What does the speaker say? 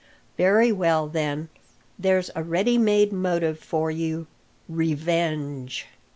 Very well, then, there's a readymade motive for you revenge."